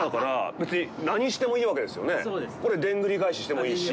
ここで、でんぐり返りしてもいいし。